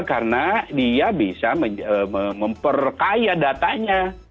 karena dia bisa memperkaya datanya